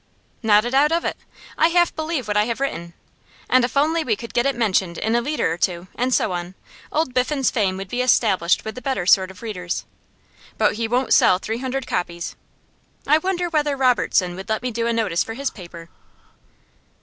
'Not a doubt of it. I half believe what I have written. And if only we could get it mentioned in a leader or two, and so on, old Biffen's fame would be established with the better sort of readers. But he won't sell three hundred copies. I wonder whether Robertson would let me do a notice for his paper?